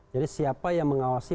jadi siapa yang mengawasi